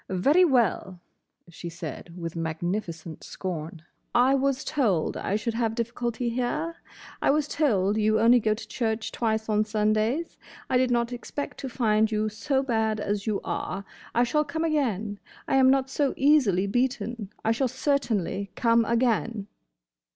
"Very well," she said, with magnificent scorn. "I was told I should have difficulty here. I was told you only go to church twice on Sundays. I did not expect to find you so bad as you are. I shall come again. I am not so easily beaten. I shall certainly come again!"